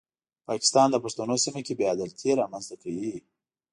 پاکستان د پښتنو سیمه کې بې عدالتي رامنځته کوي.